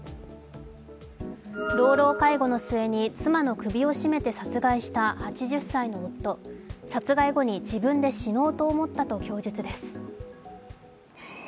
老老介護の末に妻の首を絞めて殺害した８０歳の夫殺害後に自分で死のうと思ったと供述です。